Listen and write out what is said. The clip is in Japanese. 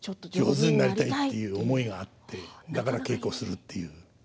上手になりたいという思いがあって、だから稽古すると。